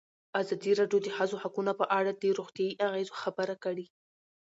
ازادي راډیو د د ښځو حقونه په اړه د روغتیایي اغېزو خبره کړې.